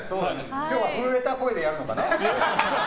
今日は震えた声でやるのかな？